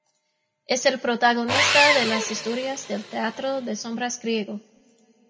Es el protagonista de las historias del teatro de sombras griego.